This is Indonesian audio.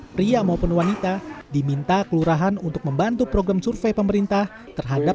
pria maupun wanita diminta kelurahan untuk membantu program survei pemerintah terhadap